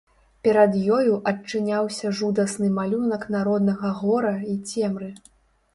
Перад ёю адчыняўся жудасны малюнак народнага гора й цемры.